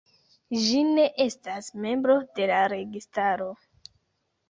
Ĝi ne estas membro de la registaro.